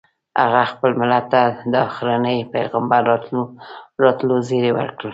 هغه خپل ملت ته د اخرني پیغمبر راتلو زیری ورکړ.